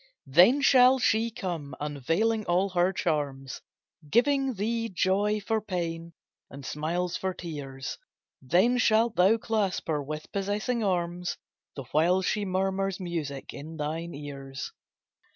Then shall she come unveiling all her charms, Giving thee joy for pain, and smiles for tears; Then shalt thou clasp her with possessing arms, The while she murmurs music in thine ears.